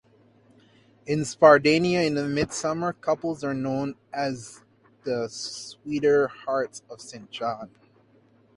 In Sardinia the Midsummer couples are known as the Sweethearts of St. John.